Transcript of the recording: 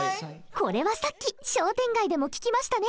これはさっき商店街でも聞きましたね。